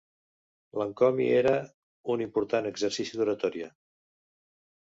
L'encomi era un important exercici d'oratòria.